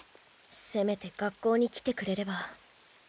せめて学校に来てくれれば。